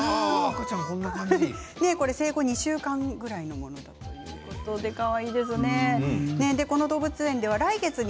生後２週間ぐらいのものだということです。